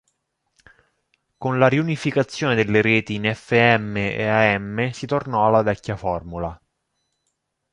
Con la riunificazione delle reti in Fm e Am, si tornò alla vecchia formula.